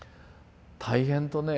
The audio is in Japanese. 大変とね